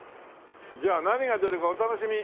じゃあ何が出るかお楽しみ！